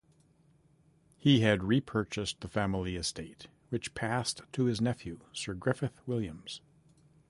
He had repurchased the family estate, which passed to his nephew Sir Griffith Williams.